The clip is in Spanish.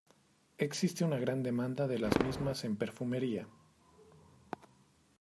Existe una gran demanda de las mismas en perfumería.